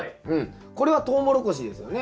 これはトウモロコシですよね？